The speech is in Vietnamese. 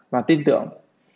và tin tưởng